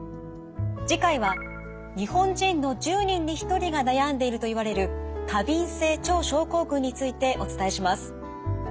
次回は日本人の１０人に１人が悩んでいるといわれる過敏性腸症候群についてお伝えします。